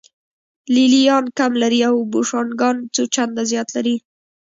لې لیان کم لري او بوشونګان څو چنده زیات لري